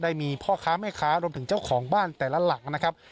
มีพ่อค้าแม่ค้ารวมถึงเจ้าของบ้านแต่ละหลังนะครับ